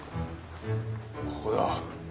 ここだ！